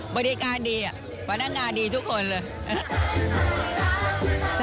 บริการดีพนักงานดีทุกคนเลย